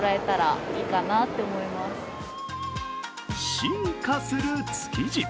進化する築地。